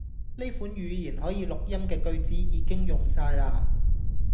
呢款語言可以錄音既句子已經用哂啦